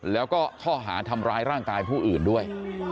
แล้วก็ข้อหาทำร้ายร่างกายผู้อื่นด้วย